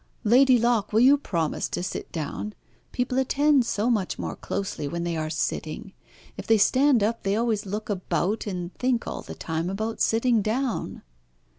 Lady Locke, will you promise to sit down? People attend so much more closely when they are sitting. If they stand up they always look about and think all the time about sitting down."